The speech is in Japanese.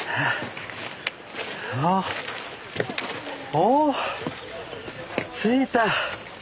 おお着いた！